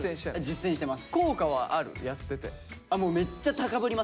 実践してます。